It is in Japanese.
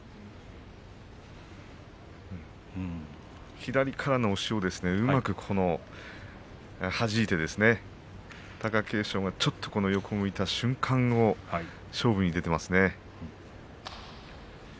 左からの押しをうまくはじいて貴景勝がちょっと横を向いた瞬間に勝負に出ていますね。